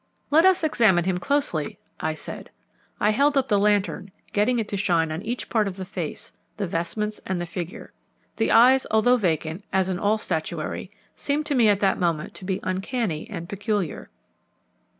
"Let us examine him closely," I said. I held up the lantern, getting it to shine on each part of the face, the vestments, and the figure. The eyes, although vacant, as in all statuary, seemed to me at that moment to be uncanny and peculiar.